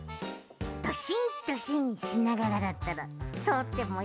ドシンドシンしながらだったらとおってもいいぞ。